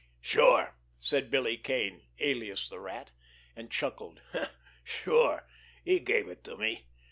"Sure!" said Billy Kane, alias the Rat—and chuckled. "Sure, he gave it to me!